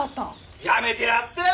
やめてやったよ！